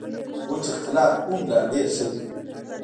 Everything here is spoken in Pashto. وچ اختلاف هم لا ډېر ښه دی.